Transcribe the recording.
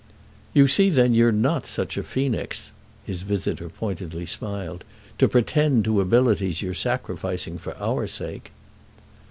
"You see then you're not such a phœnix," his visitor pointedly smiled—"to pretend to abilities you're sacrificing for our sake."